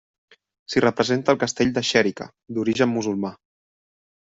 S'hi representa el castell de Xèrica, d'origen musulmà.